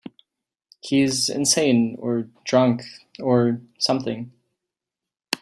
He's insane or drunk or something.